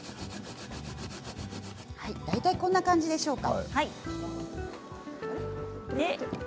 大体こんな感じでしょうか。